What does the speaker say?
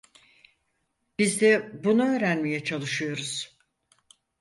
Biz de bunu öğrenmeye çalışıyoruz.